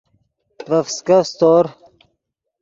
ڤے فسکف سیتور